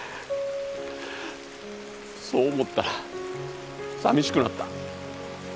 そう思ったらさみしくなった。